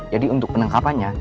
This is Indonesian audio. jadi untuk penangkapannya